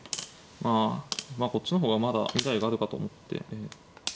まあこっちの方がまだ未来があるかと思って。